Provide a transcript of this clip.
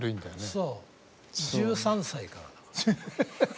そう１３歳からだから。